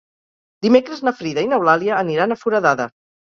Dimecres na Frida i n'Eulàlia aniran a Foradada.